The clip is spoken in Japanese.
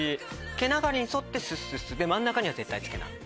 毛流れに沿ってスッスッス真ん中には絶対つけない。